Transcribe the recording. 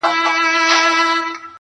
شرجلال مي ته، په خپل جمال کي کړې بدل,